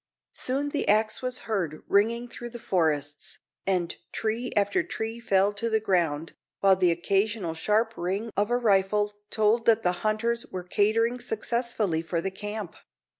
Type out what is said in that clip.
Soon the axe was heard ringing through the forests, and tree after tree fell to the ground, while the occasional sharp ring of a rifle told that the hunters were catering successfully for the camp.